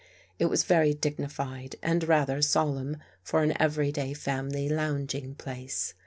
It was very dignified and rather solemn for an everyday family lounging place.